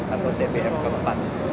atau tbm keempat